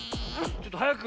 ちょっとはやく。